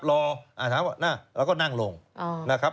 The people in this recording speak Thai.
รอแล้วก็นั่งลงนะครับ